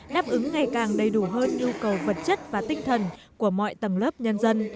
đáp ứng ngày càng đầy đủ hơn nhu cầu vật chất và tinh thần của mọi tầng lớp nhân dân